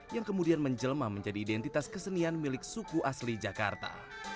yang kemudian menjelma menjadi identitas kesenian milik suku asli jakarta